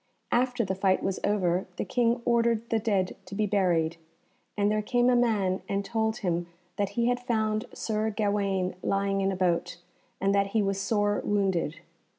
After the fight was over, the King ordered the dead to be buried; and there came a man and told him that he had found Sir Gawaine lying in a boat, and that he was sore wounded.